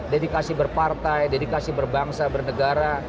dedikasi berpartai dedikasi berbangsa bernegara